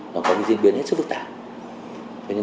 nó có diễn biến hết sức phức tạp